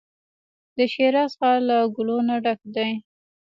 د شیراز ښار له ګلو نو ډک وي.